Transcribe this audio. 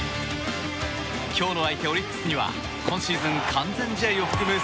今日の相手、オリックスには今シーズン完全試合を含む